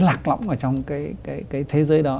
lạc lõng ở trong cái thế giới đó